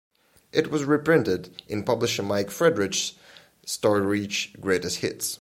It was reprinted in publisher Mike Friedrich's "Star Reach Greatest Hits".